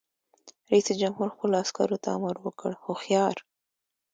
رئیس جمهور خپلو عسکرو ته امر وکړ؛ هوښیار!